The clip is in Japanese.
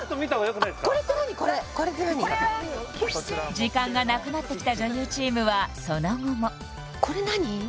時間がなくなってきた女優チームはその後もこれ何？